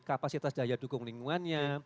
kapasitas daya dukung lingkungannya